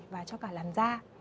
và cho cả làn da